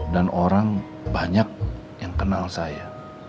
orang banyak yang kenal saya